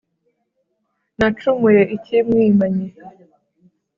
Nacumuye iki Mwimanyi